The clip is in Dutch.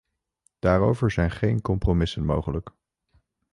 Daarover zijn geen compromissen mogelijk.